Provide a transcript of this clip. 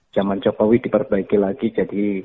zaman jokowi diperbaiki lagi jadi